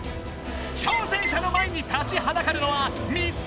挑戦者の前に立ちはだかるのは３つの難関！